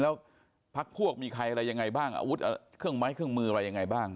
แล้วพักพวกมีใครอะไรยังไงบ้างอาวุธเครื่องไม้เครื่องมืออะไรยังไงบ้าง